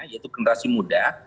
yaitu generasi muda